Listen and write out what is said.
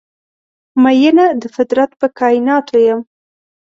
میینه د فطرت په کائیناتو یم